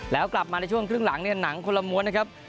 แล้วกลับมาในช่วงครึ่งหลังเนี่ยหนังคนละม้วนนะครับ